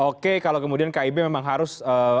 oke kalau kemudian kib memang harus